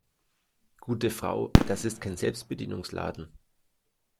Gute Frau, das ist kein Selbstbedienungsladen.